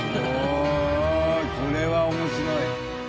これは面白い。